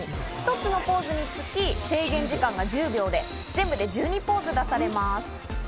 １つのポーズにつき制限時間が１０秒で、全部で１２ポーズ出されます。